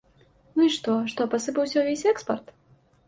Ну і што, што пасыпаўся ўвесь экспарт?